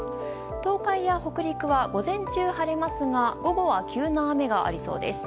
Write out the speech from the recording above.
東海や北陸は午前中晴れますが、午後は急な雨がありそうです。